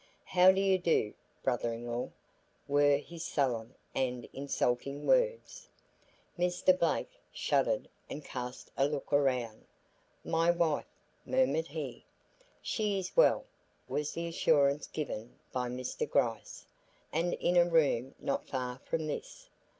"How do you do, brother in law," were his sullen and insulting words. Mr. Blake shuddered and cast a look around. "My wife?" murmured he. "She is well," was the assurance given by Mr. Gryce, "and in a room not far from this.